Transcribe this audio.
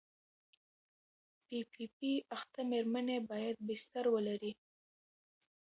پي پي پي اخته مېرمنې باید بستر ولري.